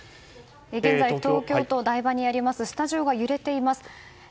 現在、東京都台場にあるスタジオが揺れています。